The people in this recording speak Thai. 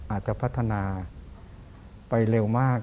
อาจจะพัฒนาไปเร็วมาก